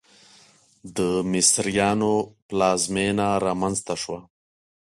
د مصریانو پلازمېنه رامنځته شوه.